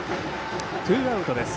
ツーアウトです。